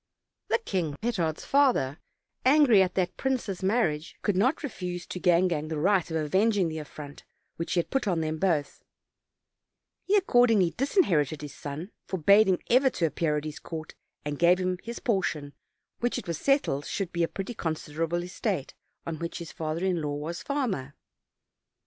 The king, Petard's father, angry at that prince's mar riage, could not refuse to Gangan the right of avenging the affront which he had put on them both; he accord ingly disinherited his son, forbade him ever to appear at his court, and gave him his portion, which it was settled should be a pretty considerable estate, on which his father in law was farmer.